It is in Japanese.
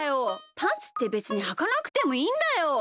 パンツってべつにはかなくてもいいんだよ。